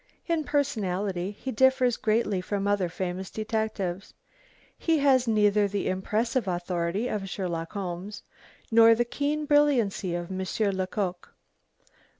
In personality he differs greatly from other famous detectives. He has neither the impressive authority of Sherlock Holmes, nor the keen brilliancy of Monsieur Lecoq.